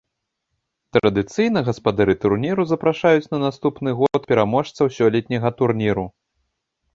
Традыцыйна гаспадары турніру запрашаюць на наступны год пераможцаў сёлетняга турніру.